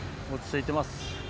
落ち着いています。